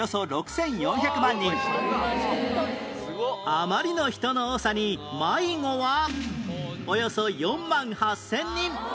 あまりの人の多さに迷子はおよそ４万８０００人！